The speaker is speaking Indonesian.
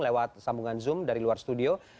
lewat sambungan zoom dari luar studio